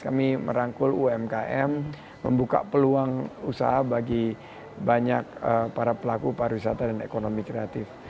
kami merangkul umkm membuka peluang usaha bagi banyak para pelaku pariwisata dan ekonomi kreatif